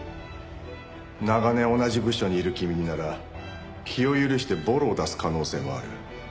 長年同じ部署にいる君になら気を許してボロを出す可能性もある。